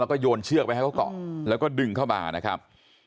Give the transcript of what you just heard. แล้วก็โยนเชือกไปให้เขาเกาะแล้วก็ดึงเข้ามานะครับ